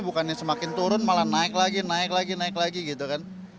bukannya semakin turun malah naik lagi naik lagi naik lagi gitu kan